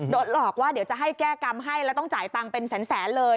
หลอกว่าเดี๋ยวจะให้แก้กรรมให้แล้วต้องจ่ายตังค์เป็นแสนเลย